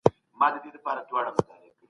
لوستونکي به د کتاب تر څنګ چاپېريال هم درک کړي.